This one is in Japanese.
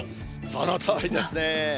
そのとおりですね。